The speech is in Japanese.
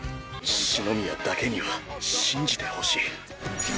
白金：四宮だけには信じてほしい！